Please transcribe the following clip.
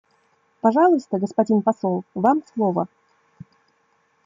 Пожалуйста, господин посол, вам слово.